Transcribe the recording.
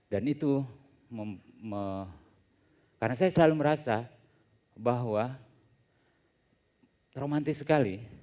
dan itu karena saya selalu merasa bahwa romantis sekali